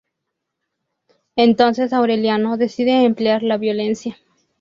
Entonces Aureliano decide emplear la violencia.